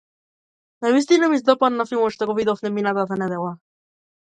Навистина ми се допадна филмот што го видовме минатата недела.